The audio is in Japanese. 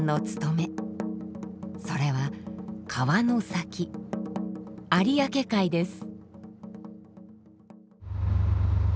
それは川の先有明海です。